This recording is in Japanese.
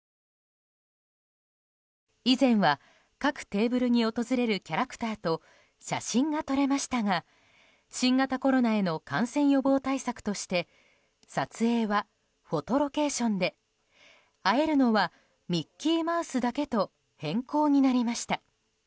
以前は、各テーブルに訪れるキャラクターと写真が撮れましたが新型コロナへの感染予防対策として撮影はフォトロケーションで会えるのはミッキーマウスだけと変更になりました。